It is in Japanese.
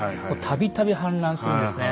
たびたび氾濫するんですね。